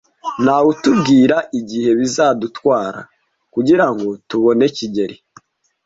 Ntawutubwira igihe bizadutwara kugirango tubone kigeli.